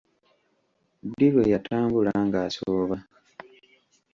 Ddi lwe yatambula ng'asooba?